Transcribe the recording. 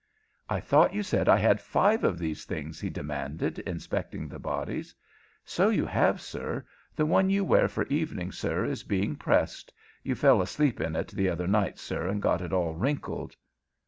"I thought you said I had five of these things?" he demanded, inspecting the bodies. "So you have, sir. The one you wear for evening, sir, is being pressed. You fell asleep in it the other night, sir, and got it all wrinkled."